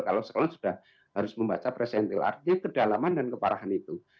kalau sekarang sudah harus membaca presental artinya kedalaman dan keparahan itu